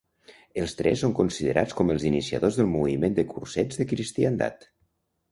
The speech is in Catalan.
Els tres són considerats com els iniciadors del Moviment de Cursets de Cristiandat.